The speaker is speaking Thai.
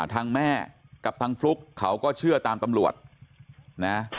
ทางแม่กับทางฟลุ๊กเขาก็เชื่อตามตำรวจนะ